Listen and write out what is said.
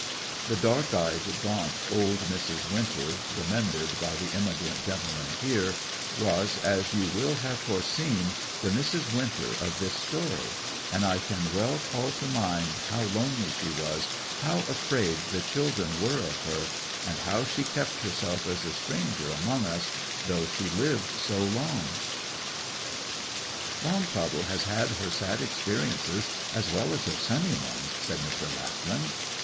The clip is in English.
The dark eyed, gaunt old Mrs. Winter, remembered by the emigrant gentleman here, was, as you will have foreseen, the Mrs. Winter of this story; and I can well call to mind how lonely she was, how afraid the children were of her, and how she kept herself as a stranger among us, though she lived so long.' 'Longpuddle has had her sad experiences as well as her sunny ones,' said Mr. Lackland.